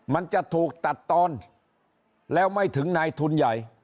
มันจะถูกตัดตอนแล้วไม่ถึงนายทุนใหญ่